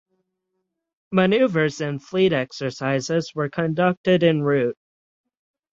Maneuvers and fleet exercises were conducted en route.